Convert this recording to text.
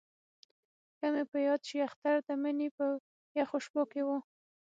ښه مې په یاد شي اختر د مني په یخو شپو کې وو.